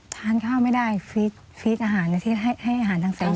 ทานข้าวไม่ได้ฟิตอาหารนะที่ให้อาหารทั้งแสดง